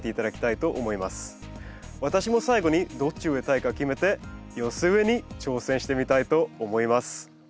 私も最後にどっち植えたいか決めて寄せ植えに挑戦してみたいと思います。